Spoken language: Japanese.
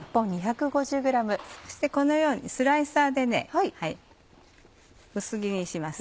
そしてこのようにスライサーでね薄切りにします。